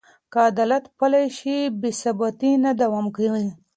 که عدالت پلی شي، بې ثباتي نه دوام کوي.